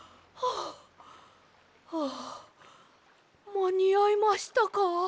まにあいましたか？